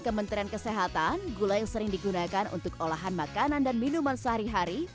kementerian kesehatan gula yang sering digunakan untuk olahan makanan dan minuman sehari hari